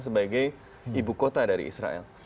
sebagai ibu kota dari israel